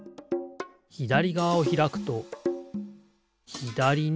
ひだりがわをひらくとひだりにころがる。